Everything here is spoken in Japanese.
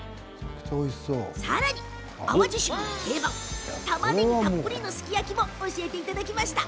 さらに、淡路島の定番たまねぎたっぷりのすき焼きも教えてもらいました。